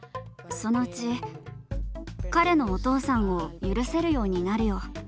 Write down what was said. そのうち彼のお父さんを許せるようになるよ。